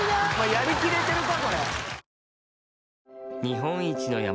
やりきれてるか？